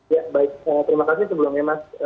ya baik terima kasih sebelumnya mas